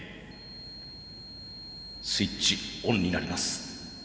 スイッチオンになります。